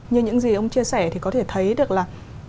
như những gì ông chia sẻ thì có thể thấy được là